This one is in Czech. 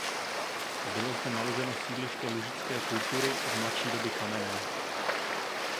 Bylo zde nalezeno sídliště lužické kultury z mladší doby kamenné.